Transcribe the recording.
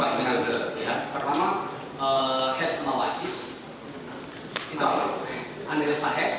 ada metode yang berbeda pertama has analysis